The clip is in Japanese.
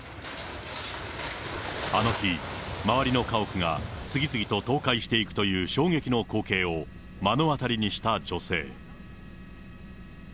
あの日、周りの家屋が次々と倒壊していくという衝撃の光景を目の当たりにした女性。